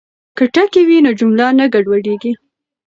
که ټکي وي نو جمله نه ګډوډیږي.